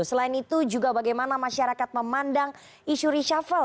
selain itu juga bagaimana masyarakat memandang isu reshuffle